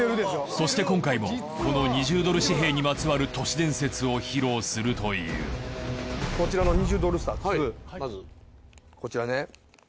そして今回もこの２０ドル紙幣にまつわる都市伝説を披露するというこちらの２０ドル札まずこちらね。